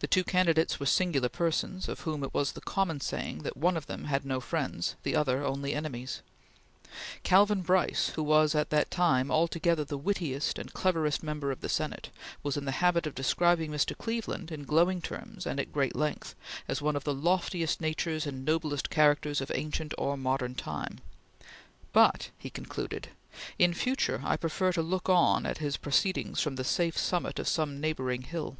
The two candidates were singular persons, of whom it was the common saying that one of them had no friends; the other, only enemies. Calvin Brice, who was at that time altogether the wittiest and cleverest member of the Senate, was in the habit of describing Mr. Cleveland in glowing terms and at great length, as one of the loftiest natures and noblest characters of ancient or modern time; "but," he concluded, "in future I prefer to look on at his proceedings from the safe summit of some neighboring hill."